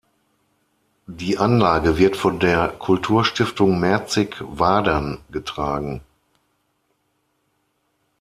Die Anlage wird von der Kulturstiftung Merzig-Wadern getragen.